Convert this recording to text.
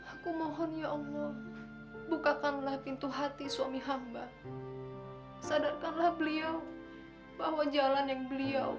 aku mohon ya allah bukakanlah pintu hati suami hamba sadarkanlah beliau bahwa jalan yang beliau